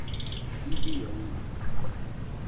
Ibiam